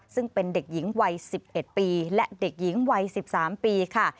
ซึ่งเป็นเด็กหญิงวัย๑๑ปีและเด็กหญิงวัย๑๓ปีค่ะ